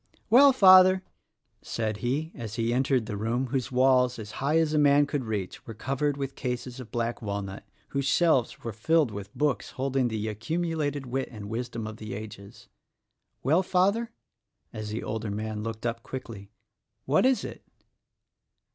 "Well, Father," .said he as he entered the room whose walls, as high as a man could reach, were covered with cases of black walnut whose shelves were filled with books holding the accumulated wit and wisdom of the ages, — "Well, Father?" as the older man looked up quickly, "What is it?"